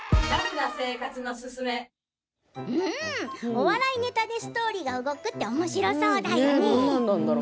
お笑いネタでストーリーが動くっておもしろそうだよね。